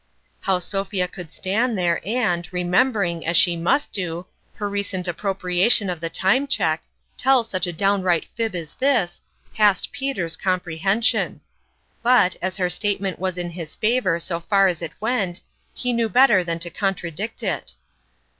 How Sophia could stand there and, remem bering, as she must do, her recent appropri 174 ormolin's imc ation of the Time Cheque, tell such a down right fib as this, passed Peter's comprehension. But, as her statement was in his favor so far as it went, he knew better than to contradict it.